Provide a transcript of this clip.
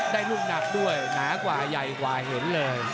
ลูกหนักด้วยหนากว่าใหญ่กว่าเห็นเลย